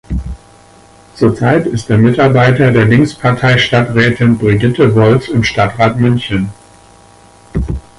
Zurzeit ist er Mitarbeiter der Linkspartei-Stadträtin Brigitte Wolf im Stadtrat München.